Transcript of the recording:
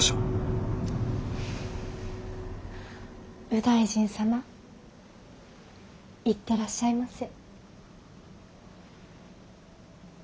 右大臣様行ってらっしゃいませ。